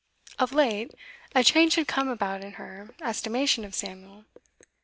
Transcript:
Of late, a change had come about in her estimation of Samuel.